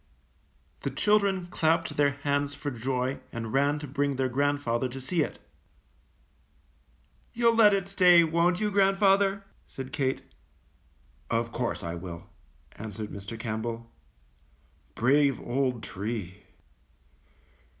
104 THE KING OF THE ORCHARD. The children clapped their hands for joy and ran to bring their grandfather to see it. "You^ll let it stay, won't you, grandfather?" said Kate. ^^Of course I will," answered Mr. Campbell, ^^brave old tree!"